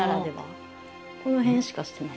この辺しかしてない。